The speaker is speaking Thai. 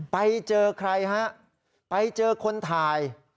ไปเจอใครฮะไปเจอคนถ่าย